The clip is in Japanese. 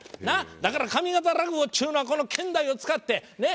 だから上方落語っちゅうのはこの見台を使ってねっ？